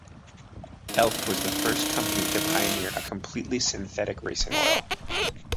Elf was the first company to pioneer a completely synthetic racing oil.